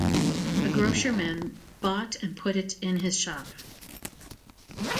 A grocer-man bought and put it in his shop.